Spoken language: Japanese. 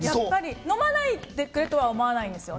飲まないでくれとは思わないんですよ。